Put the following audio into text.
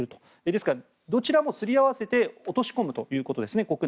ですから、どちらもすり合わせて落とし込むということですね。